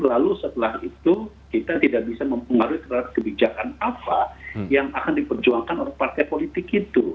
lalu setelah itu kita tidak bisa mempengaruhi terhadap kebijakan apa yang akan diperjuangkan oleh partai politik itu